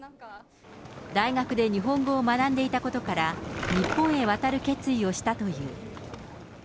大学で日本語を学んでいたことから、日本へ渡る決意をしたという。